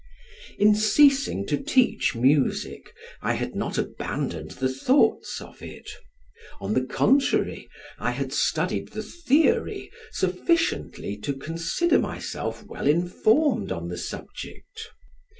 In ceasing to teach music I had not abandoned the thoughts of it; on the contrary, I had studied the theory sufficiently to consider myself well informed on the subject.